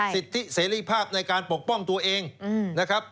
สิทธิเสรีภาพในการปกป้องตัวเองนะครับ